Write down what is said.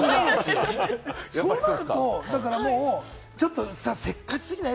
そうなると、せっかちすぎない？